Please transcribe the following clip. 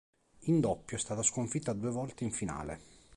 In doppio è stata sconfitta due volte in finale.